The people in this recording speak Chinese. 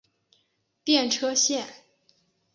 电车线。